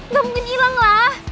gak mungkin ilang lah